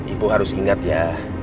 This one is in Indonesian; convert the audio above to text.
ibu harus ingat ya